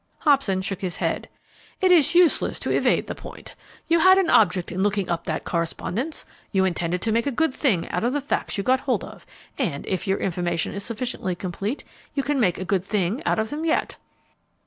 Hobson shook his head. "It is useless to evade the point. You had an object in looking up that correspondence; you intended to make a good thing out of the facts you got hold of; and, if your information is sufficiently complete, you can make a good thing out of them yet."